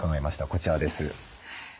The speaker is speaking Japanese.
こちらです。